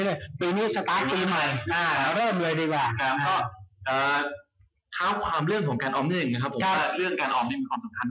และเรื่องการออมนี่มันความสำคัญกันบ้าง